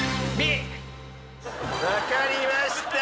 わかりました。